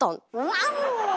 ワオ！